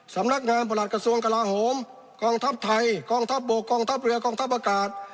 สำนักงานประหลัดกระทรวงกลาโหมกองทัพไทยกองทัพบกกองทัพเรือกองทัพอากาศ